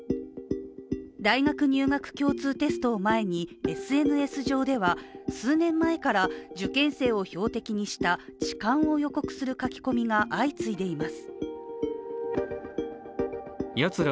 大学入学共通テストを前にＳＮＳ上では数年前から受験生を標的にした痴漢を予告する書き込みが相次いでいます。